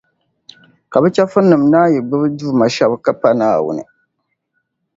Ka bɛ chεfurinima naan yi gbibi duuma shɛba ka pa Naawuni.